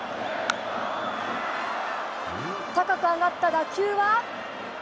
高く上がった打球は？